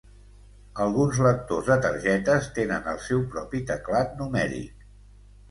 Alguns lectors de targetes tenen el seu propi teclat numèric.